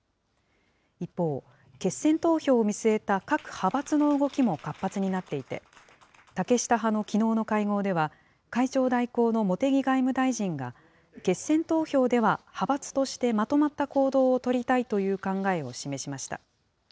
一方、決選投票を見据えた各派閥の動きも活発になっていて、竹下派のきのうの会合では、会長代行の茂木外務大臣が、決選投票では派閥としてまとまった行動を取りたいという考えを示しました。